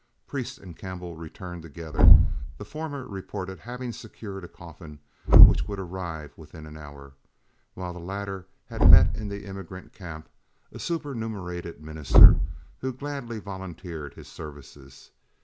Priest and Campbell returned together; the former reported having secured a coffin which would arrive within an hour, while the latter had met in the emigrant camp a superannuated minister who gladly volunteered his services.